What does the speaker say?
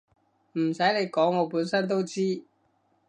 唔使你講我本身都知